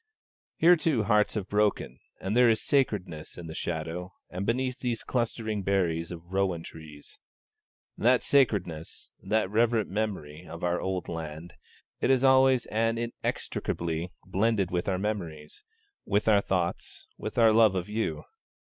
(1) Here too hearts have broken, and there is a sacredness in the shadow and beneath these clustering berries of the rowan trees. That sacredness, that reverent memory of our old land, it is always and inextricably blended with our memories, with our thoughts, with our love of you.